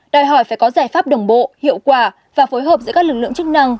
đòi hỏi phải có giải pháp đồng bộ hiệu quả và phối hợp giữa các lực lượng chức năng